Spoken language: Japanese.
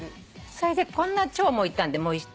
それでこんなチョウもいたんでもう一枚。